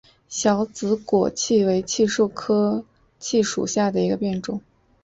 小紫果槭为槭树科槭属下的一个变种。